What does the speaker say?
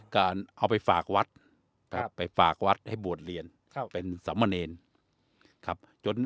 ก็เอาไปฝากวัดให้บวชเลียนเป็นสำเนยน